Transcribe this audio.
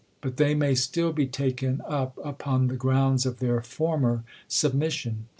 But they may still be taken up upon the o rounds of their former submission.